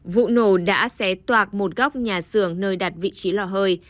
vụ nổ đã xé toạc một góc nhà xưởng nơi đặt vị trí lò hơi